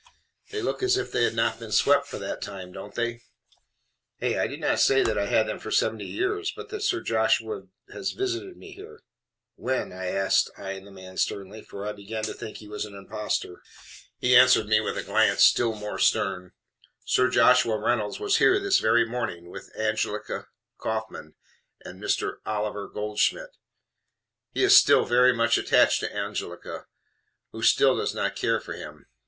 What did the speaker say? "They look as if they had not been swept for that time don't they? Hey? I did not say that I had them for seventy years, but that Sir Joshua has visited me here." "When?" I asked, eying the man sternly, for I began to think he was an impostor. He answered me with a glance still more stern: "Sir Joshua Reynolds was here this very morning, with Angelica Kaufmann and Mr. Oliver Goldschmidt. He is still very much attached to Angelica, who still does not care for him.